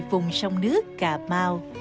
vùng sông nước cà mau